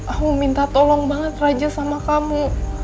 aku minta tolong banget raja sama kamu